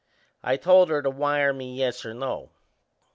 I told her to wire me yes or no.